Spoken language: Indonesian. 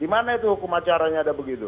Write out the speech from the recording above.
di mana itu hukum acaranya ada begitu